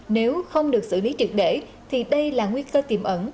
nếu không được xử lý trực để thì đây là nguy cơ tiềm ẩn